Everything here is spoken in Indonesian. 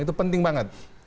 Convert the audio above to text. itu penting banget